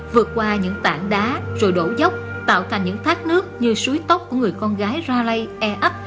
vượt qua những tảng đá rồi đổ dốc tạo thành những thác nước như suối tóc của người con gái ra lây ấp